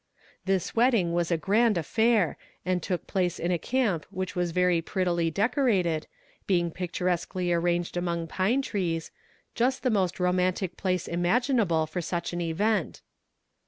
This wedding was a grand affair, and took place in a camp which was very prettily decorated, being picturesquely arranged among pine trees just the most romantic place imaginable for such an event.